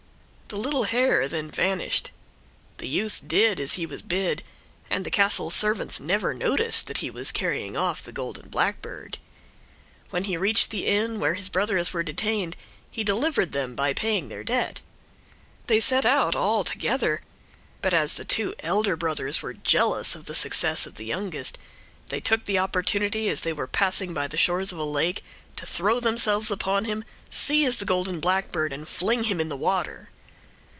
The little hare then vanished. The youth did as he was bid, and the castle servants never noticed that he was carrying off the golden blackbird. When he reached the inn where his brothers were detained he delivered them by paying their debt. They set out all together, but as the two elder brothers were jealous of the success of the youngest, they took the opportunity as they were passing by the shores of a lake to throw themselves upon him, seize the golden blackbird, and fling him in the water.